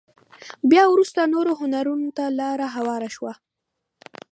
بيا وروسته نورو هنرونو ته لاره هواره شوه.